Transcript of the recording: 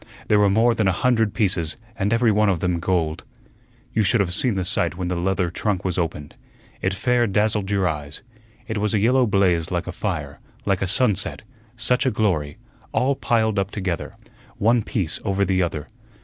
There were more than a hundred pieces, and every one of them gold. You should have seen the sight when the leather trunk was opened. It fair dazzled your eyes. It was a yellow blaze like a fire, like a sunset; such a glory, all piled up together, one piece over the other.